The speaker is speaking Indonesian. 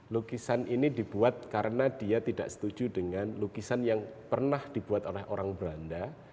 lukisan ini dibuat karena dia tidak setuju dengan lukisan yang pernah dibuat oleh orang belanda